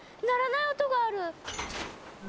鳴らない音がある。